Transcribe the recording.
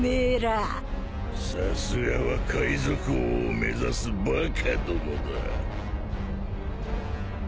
さすがは海賊王を目指すバカどもだ。